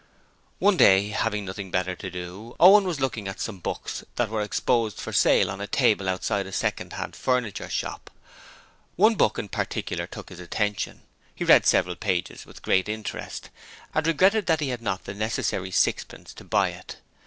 One day, having nothing better to do, Owen was looking at some books that were exposed for sale on a table outside a second hand furniture shop. One book in particular took his attention: he read several pages with great interest, and regretted that he had not the necessary sixpence to buy it.